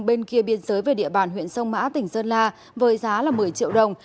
bên kia biên giới về địa bàn huyện sông mã tỉnh sơn la với giá một mươi triệu đồng